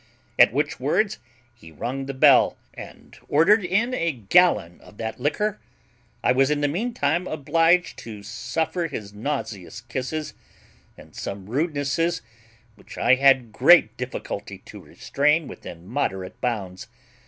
At which words he rung the bell, and ordered in a gallon of that liquor. I was in the meantime obliged to suffer his nauseous kisses, and some rudenesses which I had great difficulty to restrain within moderate bounds.